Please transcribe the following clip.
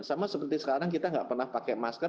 sama seperti sekarang kita nggak pernah pakai masker